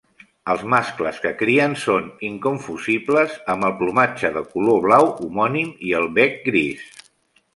Els mascles que crien són inconfusibles, amb el plomatge de color blau homònim i el bec gris.